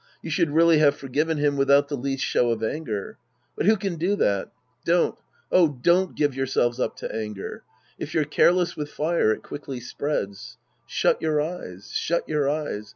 You should really have forgiven him without the least show of anger. But who can do that? Don't, oh, don't give yourselves up to anger. If you're careless with fire, it quickly spreads. Shut your eyes. Shut your eyes.